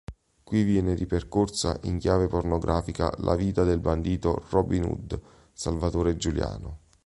Qui viene ripercorsa, in chiave pornografica, la vita del bandito "Robin Hood" Salvatore Giuliano.